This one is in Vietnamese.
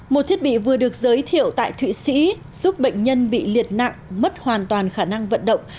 một thiết bị vừa được giới thiệu tại thụy sĩ giúp bệnh nhân bị liệt nặng mất hoàn toàn khả năng vận động